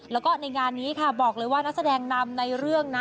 แล้วก็ในงานนี้ค่ะบอกเลยว่านักแสดงนำในเรื่องนะ